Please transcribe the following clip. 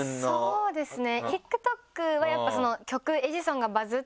そうですね。